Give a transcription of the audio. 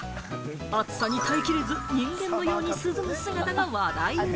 暑さに耐えきれず、人間のように涼む姿が話題に。